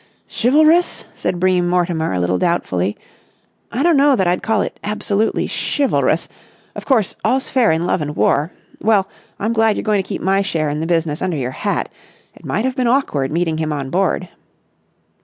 "Chivalrous?" said Bream Mortimer a little doubtfully. "I don't know that I'd call it absolutely chivalrous. Of course, all's fair in love and war. Well, I'm glad you're going to keep my share in the business under your hat. It might have been awkward meeting him on board."